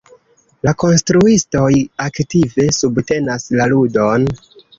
La konstruistoj aktive subtenas la ludon.